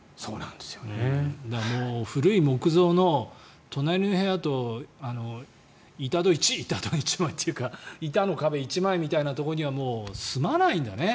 もう古い木造の隣の部屋と板戸１枚というか板の壁１枚みたいなところにはもう住まないんだね。